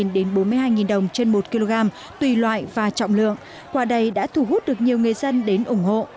đến bốn mươi hai đồng trên một kg tùy loại và trọng lượng quả đầy đã thủ hút được nhiều người dân đến ủng hộ